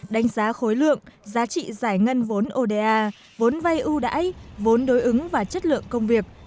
đánh giá khối lượng giá trị giải ngân vốn oda vốn vay ưu đãi vốn đối ứng và chất lượng công việc